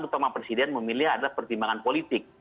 terutama presiden memilih adalah pertimbangan politik